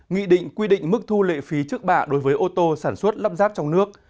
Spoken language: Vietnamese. nghị định quy định mức thu lệ phí trước bạ đối với ô tô sản xuất lắp ráp trong nước